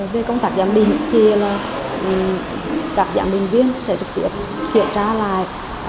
về công tác giám đình thì các giám đình viên sẽ trực tiếp kiểm tra lại